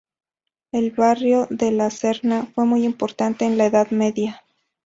El barrio de la Serna fue muy importante en la Edad Media.